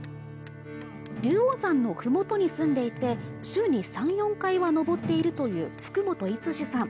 竜王山の麓に住んでいて週に３４回は登っているという福本五次さん。